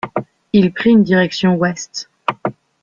Il prit une direction ouest.